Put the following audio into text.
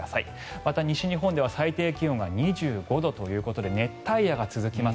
また西日本では最低気温が２５度ということで熱帯夜が続きます。